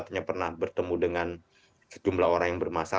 artinya pernah bertemu dengan sejumlah orang yang bermasalah